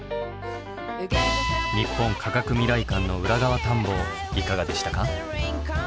日本科学未来館の裏側探訪いかがでしたか？